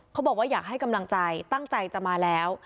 เขาบอกว่าอยากให้กำลังใจตั้งใจจะมาแล้ว